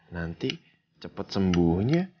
nanti cepet sembuhnya